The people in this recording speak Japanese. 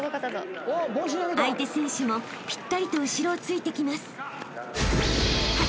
［相手選手もぴったりと後ろをついてきます］